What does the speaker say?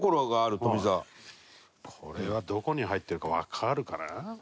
これはどこに入ってるかわかるかな？